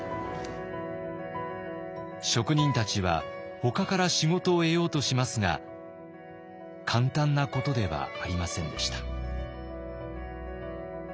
職人たちはほかから仕事を得ようとしますが簡単なことではありませんでした。